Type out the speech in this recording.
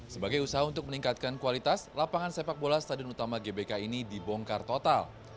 sebagai usaha untuk meningkatkan kualitas lapangan sepak bola stadion utama gbk ini dibongkar total